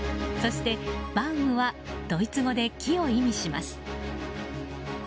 そして、バウムはドイツ語で木を意味します。